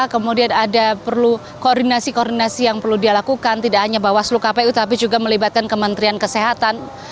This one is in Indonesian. kemudian ada perlu koordinasi koordinasi yang perlu dia lakukan tidak hanya bawaslu kpu tapi juga melibatkan kementerian kesehatan